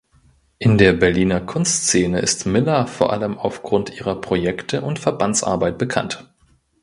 In der Berliner Kunstszene ist Miller vor allem aufgrund ihrer Projekte und Verbandsarbeit bekannt.